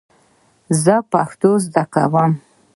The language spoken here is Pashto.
زه پښتو زده کوم